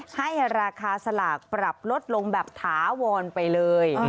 ให้ราคาสลากปรับลดลงแบบถาวรไปเลย